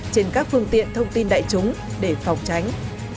trên các phương tiện thông tin đại chúng để phòng tránh